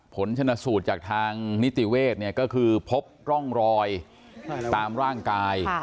ผลชนสูตรจากทางนิติเวศเนี่ยก็คือพบร่องรอยตามร่างกาย